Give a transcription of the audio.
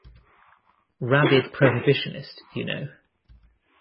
Rabid prohibitionist, you know.